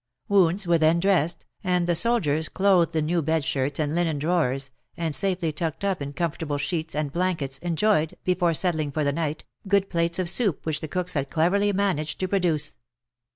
Wounds were then dressed, and the soldiers, clothed in new bedshirts and linen drawers, and safely tucked up in comfortable sheets and blankets, enjoyed, before settling for the night, good plates of soup which the cooks had cleverly managed to produce.